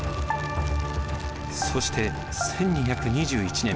そして１２２１年。